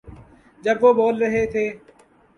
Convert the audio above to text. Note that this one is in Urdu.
جب وہ بول رہے تھے۔